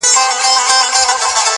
کیسې د خان او د زامنو د آسونو کوي؛